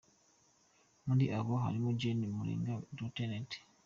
Muri abo harimo Gen Makenga, Lt.